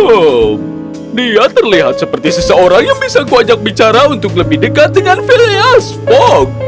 oh dia terlihat seperti seseorang yang bisa kuajak bicara untuk lebih dekat dengan filias fogg